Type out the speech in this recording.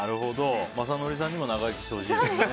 雅紀さんにも長生きしてほしいですね。